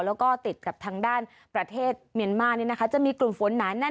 แล้วก็ติดกับทางด้านประเทศเมียนมาร์จะมีกลุ่มฝนหนาแน่น